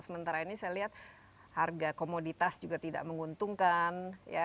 sementara ini saya lihat harga komoditas juga tidak menguntungkan